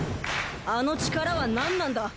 あの力はなんなんだ！